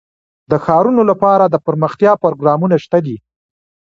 د ښارونو لپاره دپرمختیا پروګرامونه شته دي.